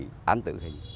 chuyên án tự hình